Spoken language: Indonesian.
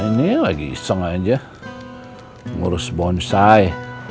ini lagi iseng aja ngurus bonsai